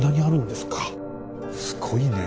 すごいね。